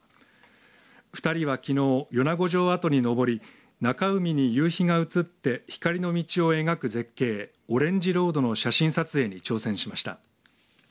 ２人はきのう、米子城跡に登り中海に夕日が写って光の道を描く絶景オレンジロードの写真撮影に挑戦しました。